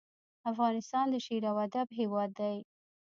افغانستان د شعر او ادب هیواد دی